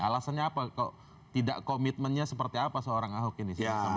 alasannya apa kok tidak komitmennya seperti apa seorang ahok ini